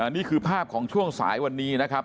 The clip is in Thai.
นี่คือภาพของช่วงสายวันนี้นะครับ